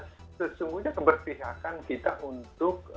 sesungguhnya keberpihakan kita untuk